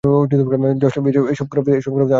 Josh, এসব করার কি আদৌ সময় আছে আমাদের?